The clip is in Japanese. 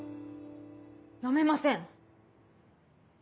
辞めません。